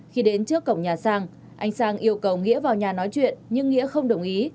khi đến trước cổng nhà sang anh sang yêu cầu nghĩa vào nhà nói chuyện nhưng nghĩa không đồng ý